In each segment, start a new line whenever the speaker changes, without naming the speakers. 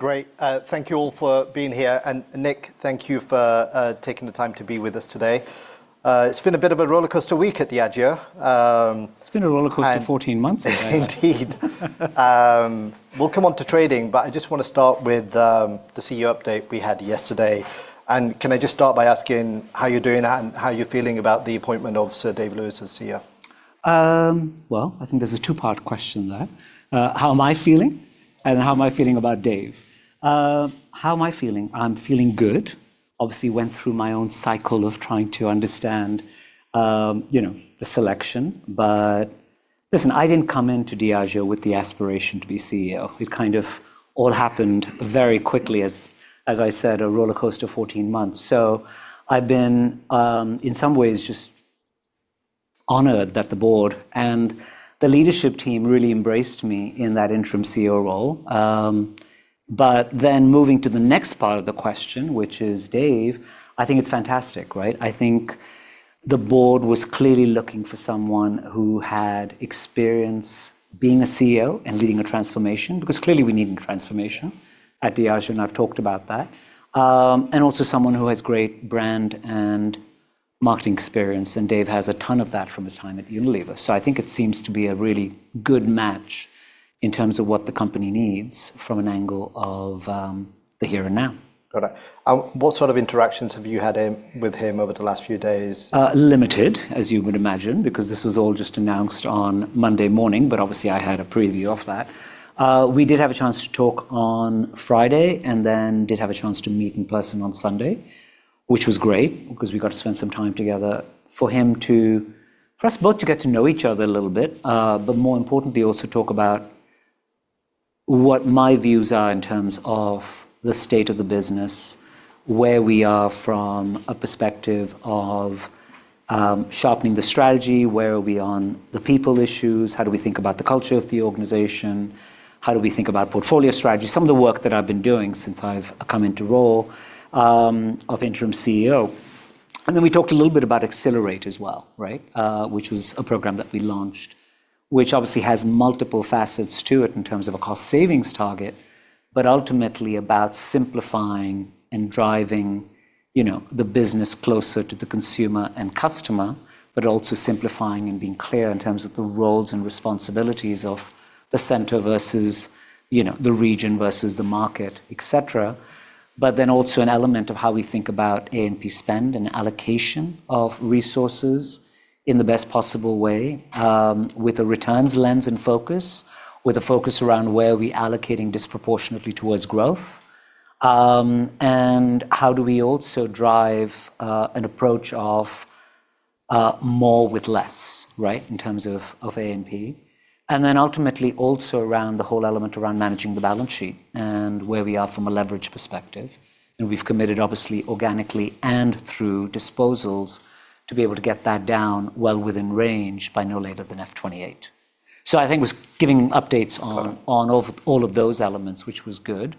Great. Thank you all for being here. And Nik, thank you for taking the time to be with us today. It's been a bit of a rollercoaster week at Diageo.
It's been a rollercoaster 14 months ago. Indeed. We'll come on to trading, but I just want to start with the CEO update we had yesterday, and can I just start by asking how you're doing and how you're feeling about the appointment of Sir. Dave Lewis as CEO? I think there's a two-part question there. How am I feeling? And how am I feeling about Dave? How am I feeling? I'm feeling good. Obviously, I went through my own cycle of trying to understand the selection. But listen, I didn't come into Diageo with the aspiration to be CEO. It kind of all happened very quickly, as I said, a rollercoaster 14 months. So I've been, in some ways, just honored that the board and the leadership team really embraced me in that interim CEO role. But then moving to the next part of the question, which is Dave, I think it's fantastic, right? I think the board was clearly looking for someone who had experience being a CEO and leading a transformation, because clearly we needed transformation at Diageo, and I've talked about that. And also someone who has great brand and marketing experience. And Dave has a ton of that from his time at Unilever. So I think it seems to be a really good match in terms of what the company needs from an angle of the here and now. Got it. What sort of interactions have you had with him over the last few days? Limited, as you would imagine, because this was all just announced on Monday morning. But obviously, I had a preview of that. We did have a chance to talk on Friday and then did have a chance to meet in person on Sunday, which was great because we got to spend some time together for him to, for us both to get to know each other a little bit, but more importantly, also talk about what my views are in terms of the state of the business, where we are from a perspective of sharpening the strategy, where are we on the people issues, how do we think about the culture of the organization, how do we think about portfolio strategy, some of the work that I've been doing since I've come into role of Interim CEO. And then we talked a little bit about Accelerate as well, right, which was a program that we launched, which obviously has multiple facets to it in terms of a cost savings target, but ultimately about simplifying and driving the business closer to the consumer and customer, but also simplifying and being clear in terms of the roles and responsibilities of the center versus the region versus the market, et cetera. But then also an element of how we think about A&P spend and allocation of resources in the best possible way with a returns lens and focus, with a focus around where we're allocating disproportionately towards growth. And how do we also drive an approach of more with less, right, in terms of A&P? And then ultimately also around the whole element around managing the balance sheet and where we are from a leverage perspective. We've committed, obviously, organically and through disposals to be able to get that down well within range by no later than F28. I think he was giving updates on all of those elements, which was good.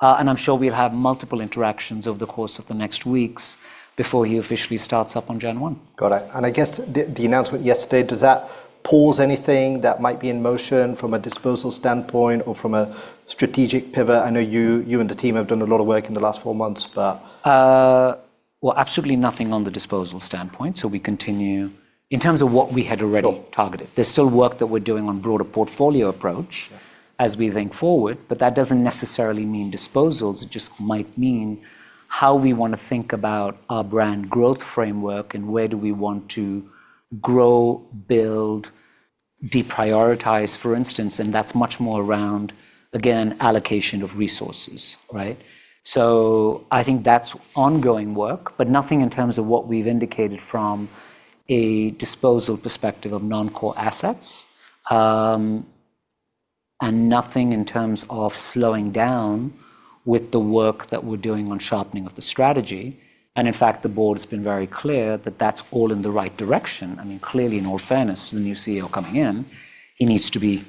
I'm sure we'll have multiple interactions over the course of the next weeks before he officially starts up on Jan 1. Got it. And I guess the announcement yesterday, does that pause anything that might be in motion from a disposal standpoint or from a strategic pivot? I know you and the team have done a lot of work in the last four months, but. Absolutely nothing on the disposal standpoint. We continue in terms of what we had already targeted. There's still work that we're doing on broader portfolio approach as we think forward, but that doesn't necessarily mean disposals. It just might mean how we want to think about our brand growth framework and where do we want to grow, build, deprioritize, for instance. That's much more around, again, allocation of resources, right? I think that's ongoing work, but nothing in terms of what we've indicated from a disposal perspective of non-core assets and nothing in terms of slowing down with the work that we're doing on sharpening of the strategy. In fact, the board has been very clear that that's all in the right direction. I mean, clearly, in all fairness, the new CEO coming in, he needs to be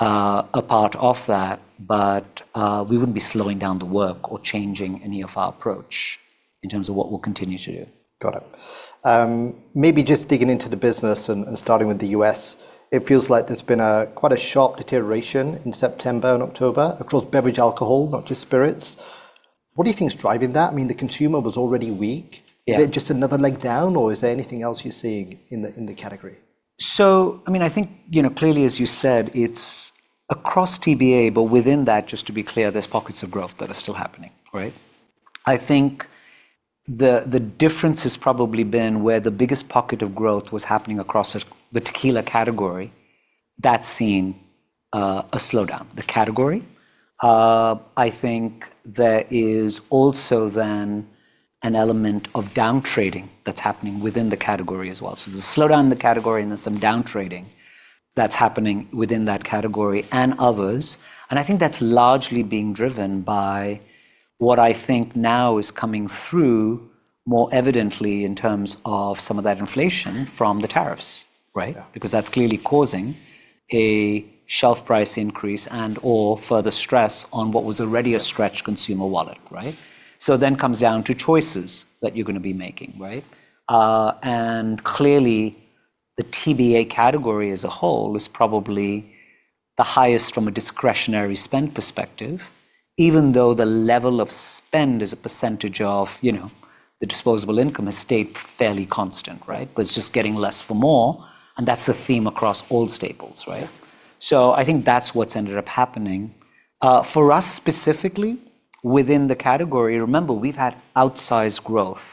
a part of that, but we wouldn't be slowing down the work or changing any of our approach in terms of what we'll continue to do. Got it. Maybe just digging into the business and starting with the U.S., it feels like there's been quite a sharp deterioration in September and October across beverage alcohol, not just spirits. What do you think is driving that? I mean, the consumer was already weak. Is it just another leg down, or is there anything else you're seeing in the category? So I mean, I think clearly, as you said, it's across TBA, but within that, just to be clear, there's pockets of growth that are still happening, right? I think the difference has probably been where the biggest pocket of growth was happening across the tequila category. That's seen a slowdown, the category. I think there is also then an element of downtrading that's happening within the category as well. So there's a slowdown in the category and there's some downtrading that's happening within that category and others. And I think that's largely being driven by what I think now is coming through more evidently in terms of some of that inflation from the tariffs, right? Because that's clearly causing a shelf price increase and/or further stress on what was already a stretched consumer wallet, right? So it then comes down to choices that you're going to be making, right? Clearly, the TBA category as a whole is probably the highest from a discretionary spend perspective, even though the level of spend as a percentage of the disposable income has stayed fairly constant, right? But it's just getting less for more. And that's the theme across all staples, right? So I think that's what's ended up happening. For us specifically within the category, remember, we've had outsized growth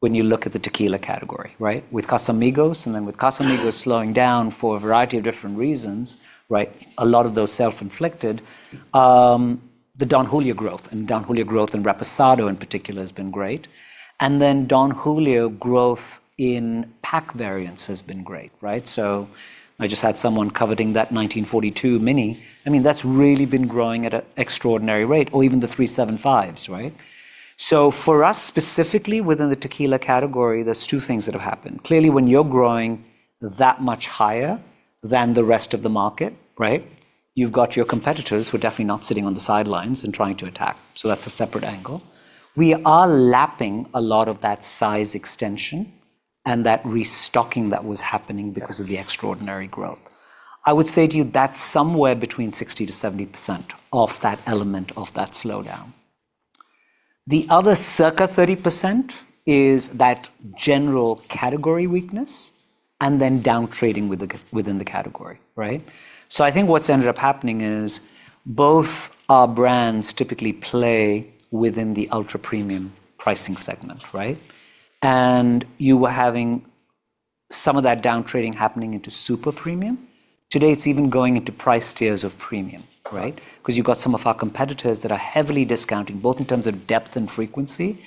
when you look at the tequila category, right? With Casamigos and then with Casamigos slowing down for a variety of different reasons, right? A lot of those self-inflicted. The Don Julio growth and Don Julio growth and Reposado in particular has been great. And then Don Julio growth in pack variants has been great, right? So I just had someone coveting that 1942 Mini. I mean, that's really been growing at an extraordinary rate, or even the 375s, right? So for us specifically within the tequila category, there's two things that have happened. Clearly, when you're growing that much higher than the rest of the market, right? You've got your competitors who are definitely not sitting on the sidelines and trying to attack. So that's a separate angle. We are lapping a lot of that size extension and that restocking that was happening because of the extraordinary growth. I would say to you that's somewhere between 60%-70% of that element of that slowdown. The other circa 30% is that general category weakness and then downtrading within the category, right? So I think what's ended up happening is both our brands typically play within the ultra premium pricing segment, right? And you were having some of that downtrading happening into super premium. Today, it's even going into price tiers of premium, right? Because you've got some of our competitors that are heavily discounting both in terms of depth and frequency.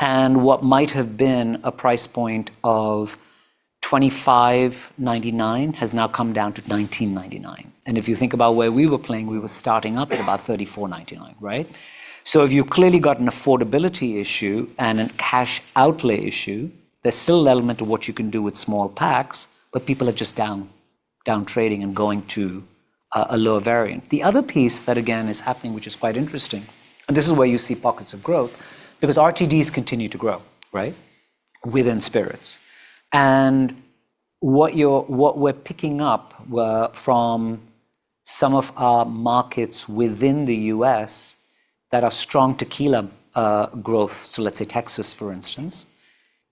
And what might have been a price point of $25.99 has now come down to $19.99. And if you think about where we were playing, we were starting up at about $34.99, right? So if you've clearly got an affordability issue and a cash outlay issue, there's still an element of what you can do with small packs, but people are just downtrading and going to a lower variant. The other piece that, again, is happening, which is quite interesting, and this is where you see pockets of growth because RTDs continue to grow, right, within spirits. What we're picking up from some of our markets within the U.S. that are strong tequila growth, so let's say Texas, for instance,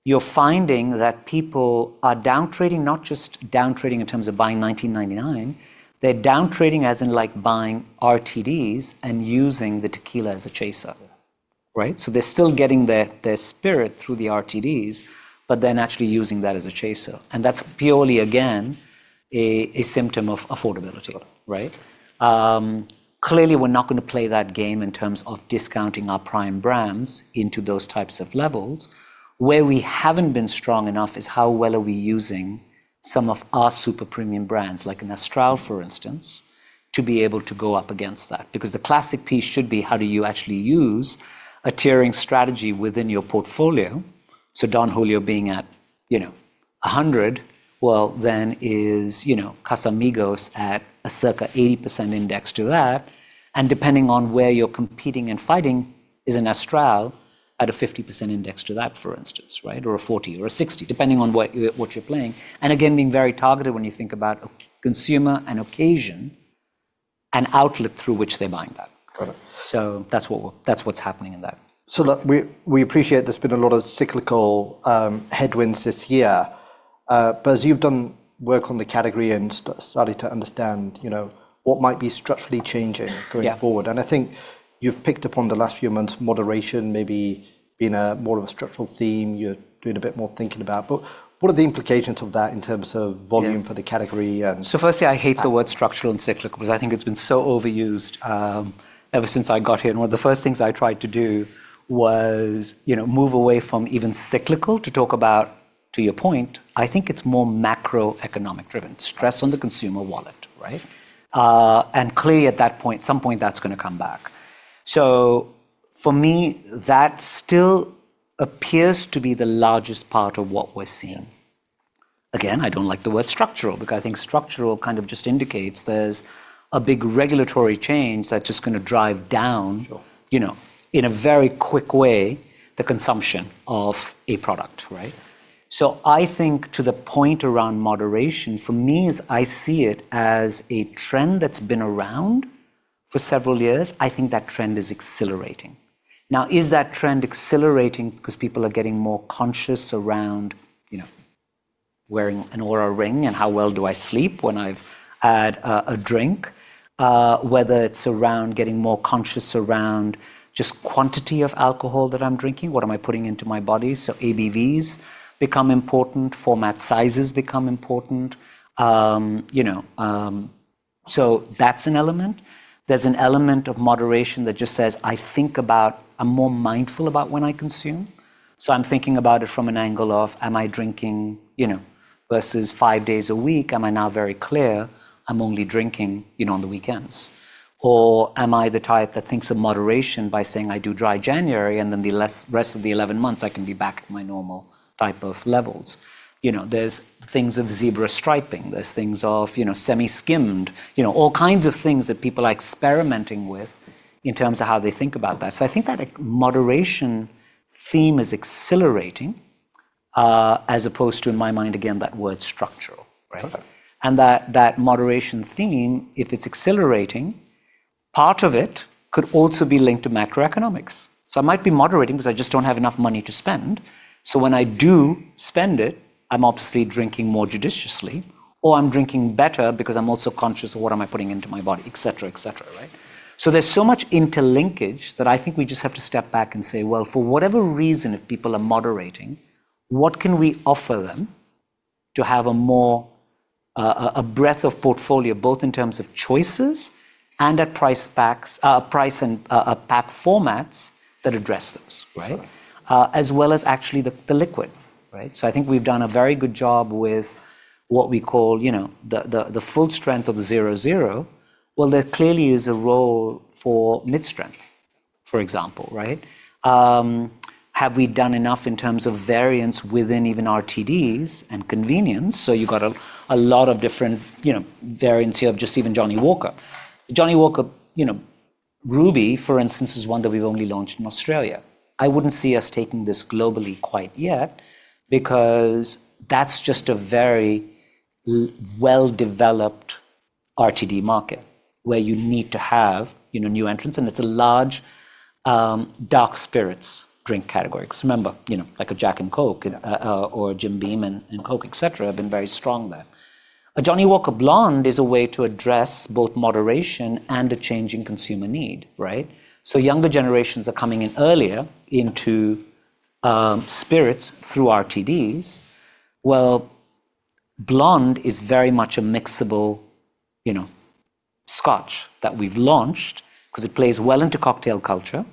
you're finding that people are downtrading, not just downtrading in terms of buying $19.99, they're downtrading as in like buying RTDs and using the tequila as a chaser, right? So they're still getting their spirit through the RTDs, but then actually using that as a chaser. And that's purely, again, a symptom of affordability, right? Clearly, we're not going to play that game in terms of discounting our prime brands into those types of levels. Where we haven't been strong enough is how well are we using some of our super premium brands, like an Astral, for instance, to be able to go up against that? Because the classic piece should be, how do you actually use a tiering strategy within your portfolio? So Don Julio being at 100, well, then is Casamigos at a circa 80% index to that. And depending on where you're competing and fighting is an Astral at a 50% index to that, for instance, right? Or a 40 or a 60, depending on what you're playing. And again, being very targeted when you think about consumer and occasion and outlet through which they're buying that. So that's what's happening in that. So we appreciate there's been a lot of cyclical headwinds this year. But as you've done work on the category and started to understand what might be structurally changing going forward, and I think you've picked up on the last few months' moderation maybe being more of a structural theme you're doing a bit more thinking about. But what are the implications of that in terms of volume for the category? So firstly, I hate the word structural and cyclical because I think it's been so overused ever since I got here. And one of the first things I tried to do was move away from even cyclical to talk about, to your point, I think it's more macroeconomic driven, stress on the consumer wallet, right? And clearly at that point, at some point, that's going to come back. So for me, that still appears to be the largest part of what we're seeing. Again, I don't like the word structural because I think structural kind of just indicates there's a big regulatory change that's just going to drive down in a very quick way the consumption of a product, right? So I think to the point around moderation, for me, as I see it as a trend that's been around for several years, I think that trend is accelerating. Now, is that trend accelerating because people are getting more conscious around wearing an Oura Ring and how well do I sleep when I've had a drink, whether it's around getting more conscious around just quantity of alcohol that I'm drinking, what am I putting into my body? So ABVs become important, format sizes become important. So that's an element. There's an element of moderation that just says, I think about, I'm more mindful about when I consume. So I'm thinking about it from an angle of, am I drinking versus five days a week, am I now very clear, I'm only drinking on the weekends, or am I the type that thinks of moderation by saying I do Dry January and then the rest of the 11 months I can be back at my normal type of levels? There's things of zebra striping, there's things of semi-skimmed, all kinds of things that people are experimenting with in terms of how they think about that. So I think that moderation theme is accelerating as opposed to, in my mind, again, that word structural, right? And that moderation theme, if it's accelerating, part of it could also be linked to macroeconomics. So I might be moderating because I just don't have enough money to spend. So when I do spend it, I'm obviously drinking more judiciously or I'm drinking better because I'm also conscious of what am I putting into my body, et cetera, et cetera, right? So, there's so much interlinkage that I think we just have to step back and say, well, for whatever reason, if people are moderating, what can we offer them to have a breadth of portfolio, both in terms of choices and at price packs and pack formats that address those, right? As well as actually the liquid, right? So, I think we've done a very good job with what we call the full strength of the 0.0. Well, there clearly is a role for mid-strength, for example, right? Have we done enough in terms of variance within even RTDs and convenience? So, you've got a lot of different variants here of just even Johnnie Walker. Johnnie Walker, Ruby, for instance, is one that we've only launched in Australia. I wouldn't see us taking this globally quite yet because that's just a very well-developed RTD market where you need to have new entrants, and it's a large dark spirits drink category. Because remember, like a Jack and Coke or Jim Beam and Coke, et cetera, have been very strong there. A Johnnie Walker Blonde is a way to address both moderation and a changing consumer need, right, so younger generations are coming in earlier into spirits through RTDs, well, Blonde is very much a mixable Scotch that we've launched because it plays well into cocktail culture,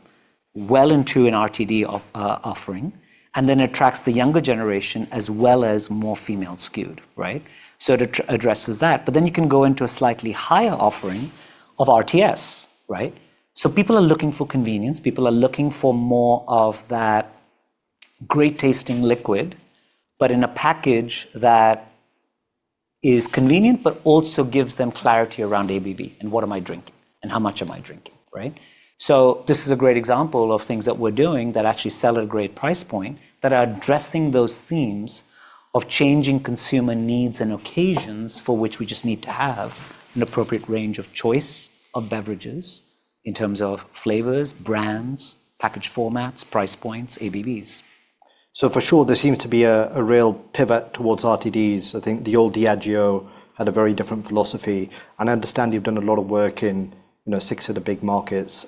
well into an RTD offering, and then it attracts the younger generation as well as more female skewed, right, so it addresses that, but then you can go into a slightly higher offering of RTS, right, so people are looking for convenience. People are looking for more of that great tasting liquid, but in a package that is convenient, but also gives them clarity around ABV and what am I drinking and how much am I drinking, right? So this is a great example of things that we're doing that actually sell at a great price point that are addressing those themes of changing consumer needs and occasions for which we just need to have an appropriate range of choice of beverages in terms of flavors, brands, package formats, price points, ABVs. So for sure, there seems to be a real pivot towards RTDs. I think the old Diageo had a very different philosophy. And I understand you've done a lot of work in six of the big markets.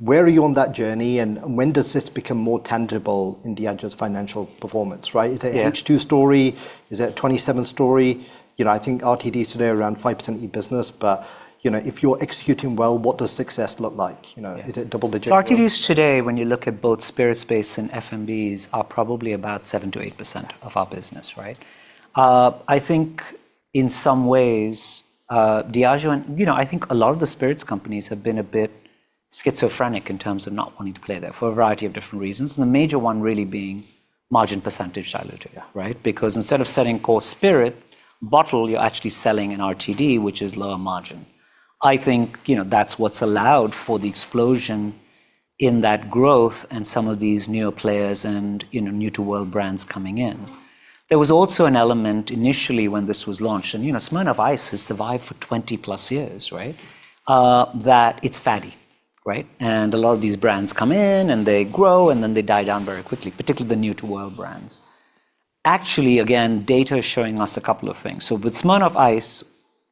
Where are you on that journey and when does this become more tangible in Diageo's financial performance, right? Is it a H2 story? Is it a 27 story? I think RTDs today are around 5% of the business, but if you're executing well, what does success look like? Is it double digit? So RTDs today, when you look at both spirit space and FMBs, are probably about 7%-8% of our business, right? I think in some ways, Diageo, and I think a lot of the spirits companies have been a bit schizophrenic in terms of not wanting to play there for a variety of different reasons. And the major one really being margin percentage diluted, right? Because instead of selling core spirit bottle, you're actually selling an RTD, which is lower margin. I think that's what's allowed for the explosion in that growth and some of these newer players and new-to-world brands coming in. There was also an element initially when this was launched, and Smirnoff Ice has survived for 20 plus years, right? That it's faddy, right? And a lot of these brands come in and they grow and then they die down very quickly, particularly the new-to-world brands. Actually, again, data is showing us a couple of things. So with Smirnoff Ice,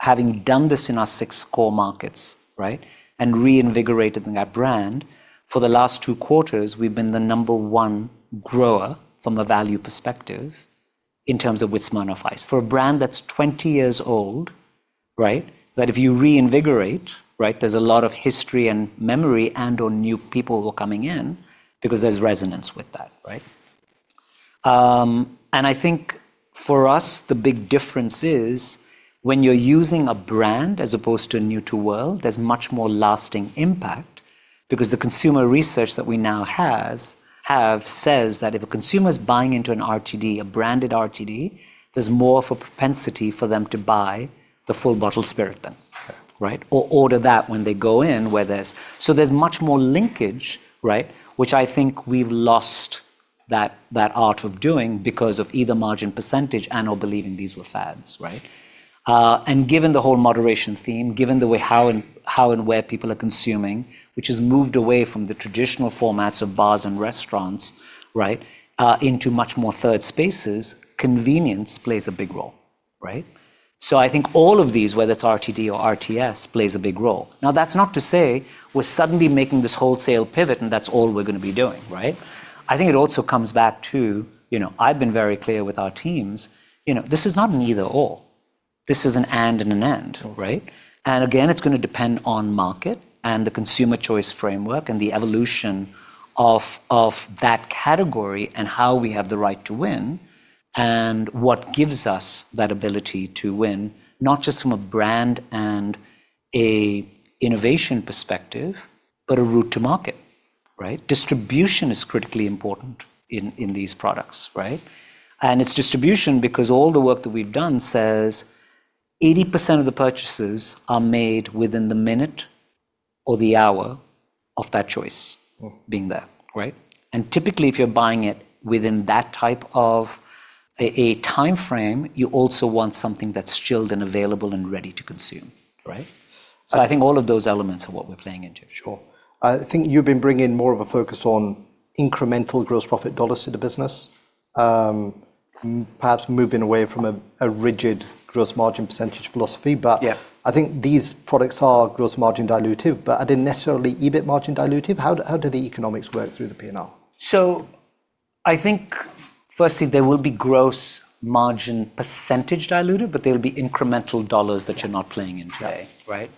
having done this in our six core markets, right? And reinvigorated the brand for the last two quarters, we've been the number one grower from a value perspective in terms of with Smirnoff Ice. For a brand that's 20 years old, right? That if you reinvigorate, right? There's a lot of history and memory and/or new people who are coming in because there's resonance with that, right? And I think for us, the big difference is when you're using a brand as opposed to a new-to-world, there's much more lasting impact because the consumer research that we now have says that if a consumer is buying into an RTD, a branded RTD, there's more of a propensity for them to buy the full bottle spirit then, right? Or order that when they go in where there's so much more linkage, right? Which I think we've lost that art of doing because of either margin percentage and/or believing these were fads, right? And given the whole moderation theme, given the way how and where people are consuming, which has moved away from the traditional formats of bars and restaurants, right? Into much more third spaces, convenience plays a big role, right? So I think all of these, whether it's RTD or RTS, plays a big role. Now, that's not to say we're suddenly making this wholesale pivot and that's all we're going to be doing, right? I think it also comes back to, I've been very clear with our teams, this is not an either/or. This is an and and an and, right? Again, it's going to depend on market and the consumer choice framework and the evolution of that category and how we have the right to win and what gives us that ability to win, not just from a brand and an innovation perspective, but a route to market, right? Distribution is critically important in these products, right? And it's distribution because all the work that we've done says 80% of the purchases are made within the minute or the hour of that choice being there, right? And typically, if you're buying it within that type of a timeframe, you also want something that's chilled and available and ready to consume, right? So I think all of those elements are what we're playing into. Sure. I think you've been bringing in more of a focus on incremental gross profit dollars to the business, perhaps moving away from a rigid gross margin percentage philosophy, but I think these products are gross margin dilutive, but are they necessarily EBIT margin dilutive? How do the economics work through the P&L? So I think firstly, there will be gross margin percentage diluted, but there will be incremental dollars that you're not playing into today, right?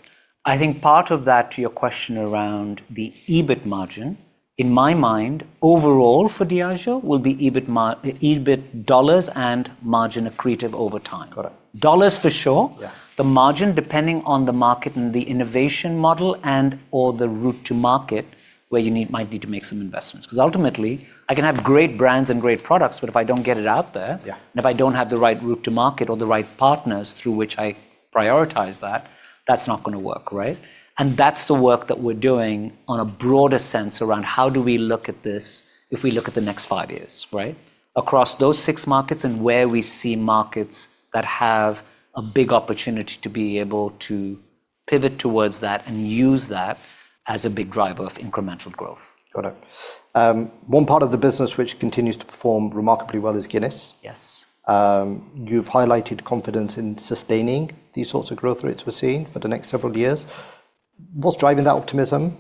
I think part of that, to your question around the EBIT margin, in my mind, overall for Diageo will be EBIT dollars and margin accretive over time. Dollars for sure. The margin, depending on the market and the innovation model and/or the route to market where you might need to make some investments. Because ultimately, I can have great brands and great products, but if I don't get it out there and if I don't have the right route to market or the right partners through which I prioritize that, that's not going to work, right? And that's the work that we're doing on a broader sense around how do we look at this if we look at the next five years, right? Across those six markets and where we see markets that have a big opportunity to be able to pivot towards that and use that as a big driver of incremental growth. Got it. One part of the business which continues to perform remarkably well is Guinness. Yes. You've highlighted confidence in sustaining these sorts of growth rates we're seeing for the next several years. What's driving that optimism?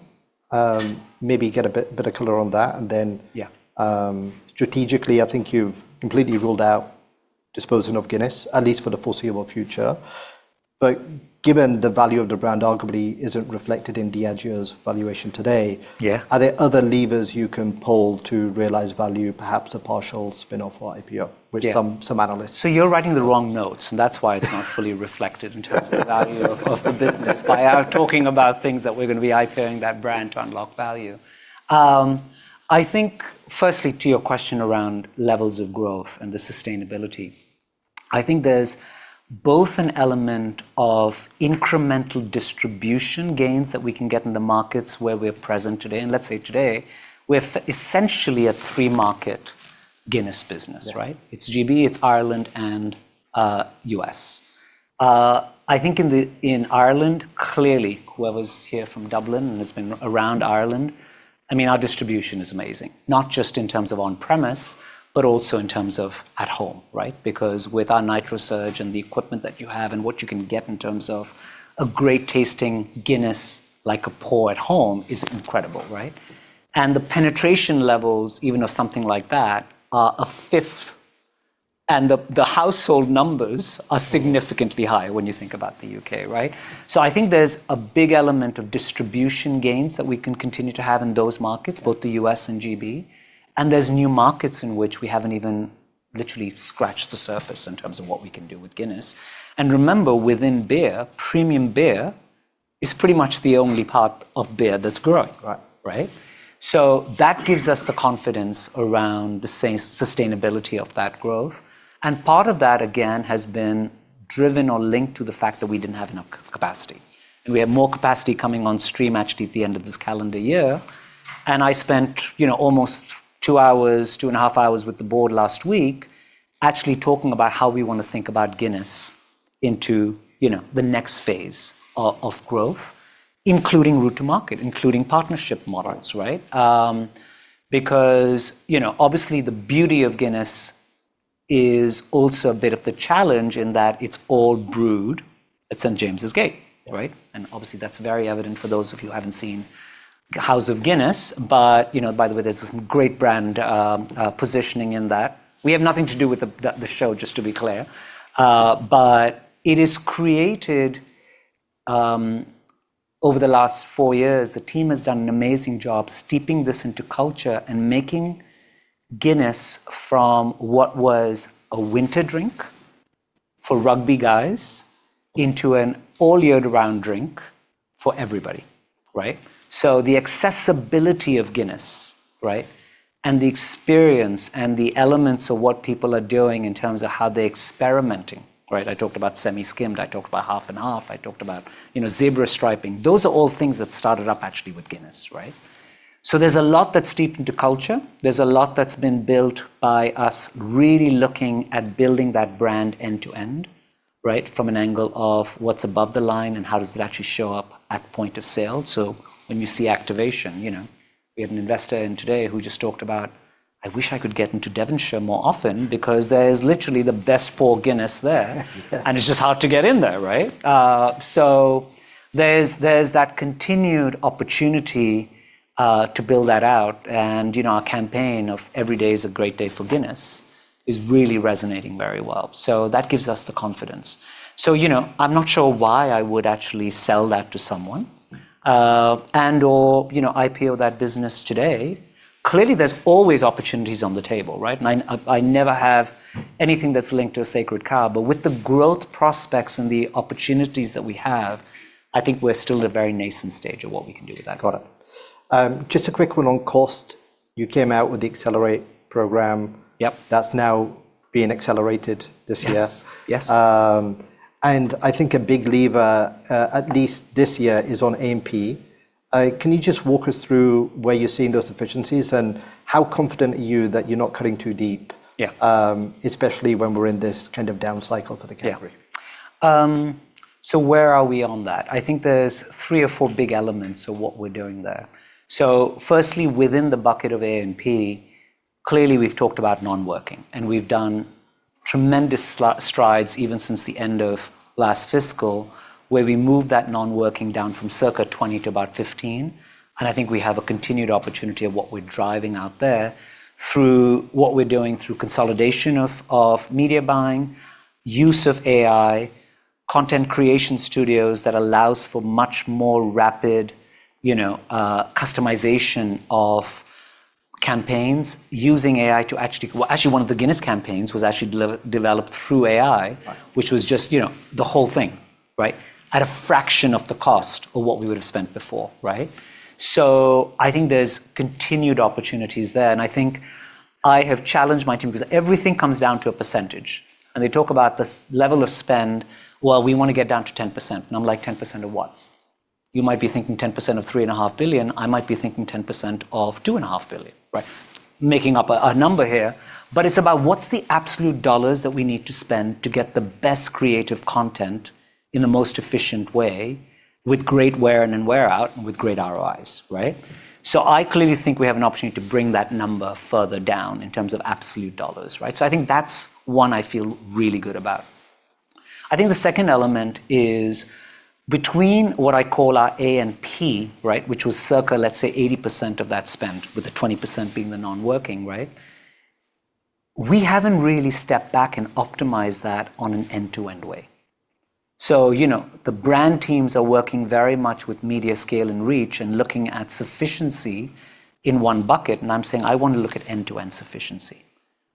Maybe get a bit of color on that. And then strategically, I think you've completely ruled out disposing of Guinness, at least for the foreseeable future. But given the value of the brand arguably isn't reflected in Diageo's valuation today, are there other levers you can pull to realize value, perhaps a partial spin-off or IPO, which some analysts. You're writing the wrong notes and that's why it's not fully reflected in terms of the value of the business By talking about things that we're going to be IPOing that brand to unlock value. I think firstly to your question around levels of growth and the sustainability, I think there's both an element of incremental distribution gains that we can get in the markets where we're present today, and let's say today we're essentially a three-market Guinness business, right? It's GB, it's Ireland, and US. I think in Ireland, clearly whoever's here from Dublin and has been around Ireland, I mean, our distribution is amazing, not just in terms of on-premise, but also in terms of at home, right? Because with our Nitrosurge and the equipment that you have and what you can get in terms of a great tasting Guinness like a pour at home is incredible, right? And the penetration levels, even of something like that, are a fifth. And the household numbers are significantly higher when you think about the U.K., right? So I think there's a big element of distribution gains that we can continue to have in those markets, both the U.S. and G.B. And there's new markets in which we haven't even literally scratched the surface in terms of what we can do with Guinness. And remember, within beer, premium beer is pretty much the only part of beer that's growing, right? So that gives us the confidence around the sustainability of that growth. And part of that, again, has been driven or linked to the fact that we didn't have enough capacity. And we have more capacity coming on stream actually at the end of this calendar year. And I spent almost two hours, two and a half hours with the board last week actually talking about how we want to think about Guinness into the next phase of growth, including route to market, including partnership models, right? Because obviously the beauty of Guinness is also a bit of the challenge in that it's all brewed at St. James's Gate, right? And obviously that's very evident for those of you who haven't seen House of Guinness. But by the way, there's some great brand positioning in that. We have nothing to do with the show, just to be clear. But it is created over the last four years. The team has done an amazing job steeping this into culture and making Guinness from what was a winter drink for rugby guys into an all-year-round drink for everybody, right? So the accessibility of Guinness, right? And the experience and the elements of what people are doing in terms of how they're experimenting, right? I talked about semi-skimmed, I talked about half and half, I talked about zebra striping. Those are all things that started up actually with Guinness, right? So there's a lot that's steeped into culture. There's a lot that's been built by us really looking at building that brand end to end, right? From an angle of what's above the line and how does it actually show up at point of sale. So when you see activation, we had an investor in today who just talked about, "I wish I could get into Devonshire more often because there is literally the best pour Guinness there." And it's just hard to get in there, right? So there's that continued opportunity to build that out. And our campaign of every day is a great day for Guinness is really resonating very well. So that gives us the confidence. So I'm not sure why I would actually sell that to someone and/or IPO that business today. Clearly, there's always opportunities on the table, right? I never have anything that's linked to a sacred cow, but with the growth prospects and the opportunities that we have, I think we're still at a very nascent stage of what we can do with that. Got it. Just a quick one on cost. You came out with the Accelerate program. Yep. That's now being accelerated this year. Yes. I think a big lever, at least this year, is on A&P. Can you just walk us through where you're seeing those efficiencies and how confident are you that you're not cutting too deep, especially when we're in this kind of down cycle for the category? So where are we on that? I think there's three or four big elements of what we're doing there. So firstly, within the bucket of A&P, clearly we've talked about non-working and we've done tremendous strides even since the end of last fiscal where we moved that non-working down from circa 20 to about 15. And I think we have a continued opportunity of what we're driving out there through what we're doing through consolidation of media buying, use of AI, content creation studios that allows for much more rapid customization of campaigns using AI to actually, well, actually one of the Guinness campaigns was actually developed through AI, which was just the whole thing, right? At a fraction of the cost of what we would have spent before, right? So I think there's continued opportunities there. I think I have challenged my team because everything comes down to a percentage. They talk about this level of spend. Well, we want to get down to 10%. I'm like, 10% of what? You might be thinking 10% of $3.5 billion. I might be thinking 10% of $2.5 billion, right? Making up a number here, but it's about what's the absolute dollars that we need to spend to get the best creative content in the most efficient way with great wear in and wear out and with great ROIs, right? I clearly think we have an opportunity to bring that number further down in terms of absolute dollars, right? I think that's one I feel really good about. I think the second element is between what I call our A&P, right? Which was circa, let's say, 80% of that spend with the 20% being the non-working, right? We haven't really stepped back and optimized that on an end-to-end way. So the brand teams are working very much with media scale and reach and looking at sufficiency in one bucket. And I'm saying I want to look at end-to-end sufficiency.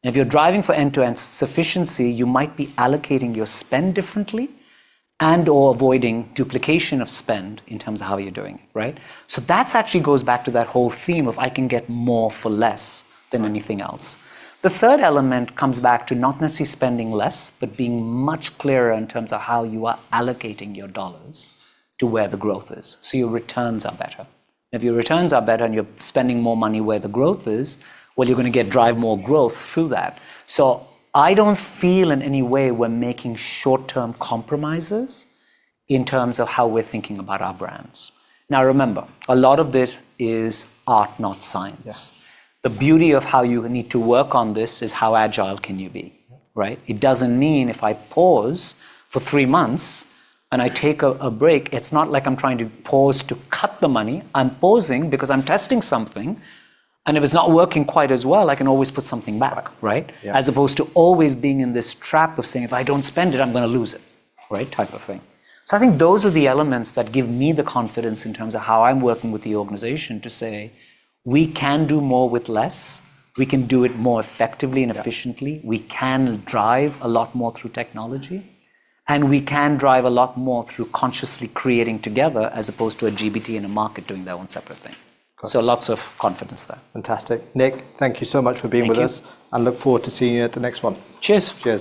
And if you're driving for end-to-end sufficiency, you might be allocating your spend differently and/or avoiding duplication of spend in terms of how you're doing it, right? So that actually goes back to that whole theme of I can get more for less than anything else. The third element comes back to not necessarily spending less, but being much clearer in terms of how you are allocating your dollars to where the growth is. So your returns are better. If your returns are better and you're spending more money where the growth is, well, you're going to drive more growth through that. I don't feel in any way we're making short-term compromises in terms of how we're thinking about our brands. Now, remember, a lot of this is art, not science. The beauty of how you need to work on this is how agile can you be, right? It doesn't mean if I pause for three months and I take a break, it's not like I'm trying to pause to cut the money. I'm pausing because I'm testing something. If it's not working quite as well, I can always put something back, right? As opposed to always being in this trap of saying, if I don't spend it, I'm going to lose it, right? Type of thing. So I think those are the elements that give me the confidence in terms of how I'm working with the organization to say, we can do more with less. We can do it more effectively and efficiently. We can drive a lot more through technology. And we can drive a lot more through consciously creating together as opposed to a GBT and a market doing their own separate thing. So lots of confidence there. Fantastic. Nik, thank you so much for being with us. Thank you. Look forward to seeing you at the next one. Cheers. Cheers.